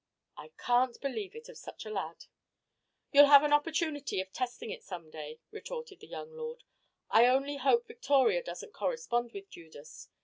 '" "I can't believe it of such a lad." "You'll have an opportunity of testing it some day," retorted the young lord. "I only hope Victoria doesn't correspond with Judas.